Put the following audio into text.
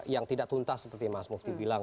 yang tidak tuntas seperti mas mufti bilang